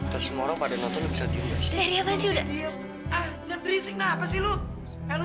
hai semua orang pada nonton bisa tiga dari apa sih udah ah jenis nah apa sih lu lu